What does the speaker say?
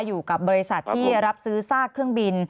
อยู่กับบริษัทที่รับซื้อซากเครื่องบิน